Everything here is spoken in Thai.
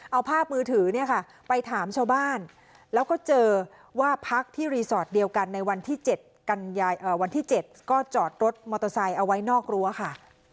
เอาภาพมือถือเนี่ยค่ะไปถามชาวบ้านแล้วก็เจอว่าพักที่รีสอร์ทเดียวกันในวันที่๗วันที่๗ก็จอดรถมอเตอร์ไซค์เอาไว้นอกรั้วค่ะ